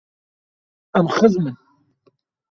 Em xizm in.